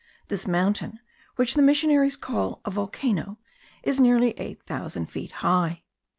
This mountain, which the missionaries call a volcano, is nearly eight thousand feet high.